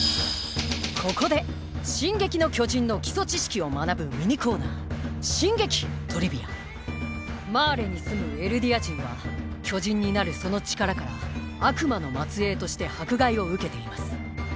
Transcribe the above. ここで「進撃の巨人」の基礎知識を学ぶミニコーナーマーレに住むエルディア人は巨人になるその力から悪魔の末裔として迫害を受けています。